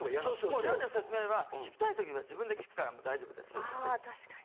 もう料理の説明は聞きたい時は自分で聞くからもう大丈夫ですって。